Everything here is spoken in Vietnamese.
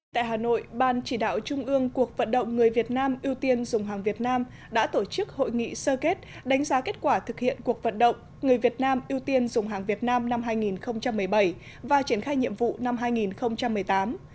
tại hà nội ban chỉ đạo trung ương cuộc vận động người việt nam ưu tiên dùng hàng việt nam đã tổ chức hội nghị sơ kết đánh giá kết quả thực hiện cuộc vận động người việt nam ưu tiên dùng hàng việt nam năm hai nghìn một mươi bảy và triển khai nhiệm vụ năm hai nghìn một mươi tám